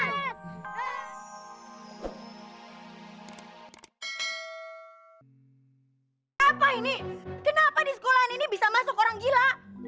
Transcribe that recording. apa ini kenapa di sekolah ini bisa masuk orang gila